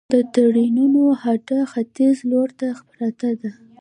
د ټرېنونو هډه ختیځ لور ته پرته ده